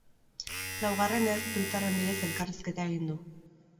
Laugarrenez, twitterren bidez elkarrizketa egin du.